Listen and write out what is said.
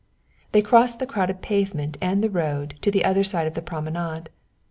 They crossed the crowded pavement and the road to the other side of the promenade.